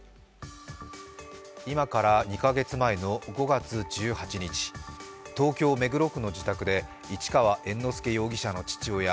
今から２か月前の５月１８日、東京・目黒区の自宅で市川猿之助容疑者の父親